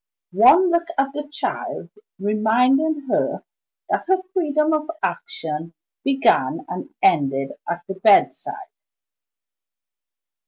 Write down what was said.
One look at the child reminded her that her freedom of action began and ended at the bedside.